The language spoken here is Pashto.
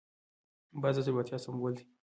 باز د زړورتیا سمبول دی